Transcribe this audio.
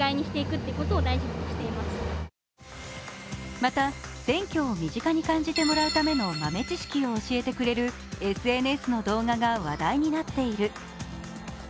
また選挙を身近に感じてもらうための豆知識を教えてくれるＳＮＳの動画が話題になっている。